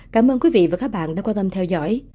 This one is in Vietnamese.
cảm ơn quý vị và các bạn đã quan tâm theo dõi